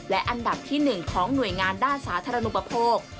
และอันดับที่๑ของหน่วยงานด้านสาธารณูปโภค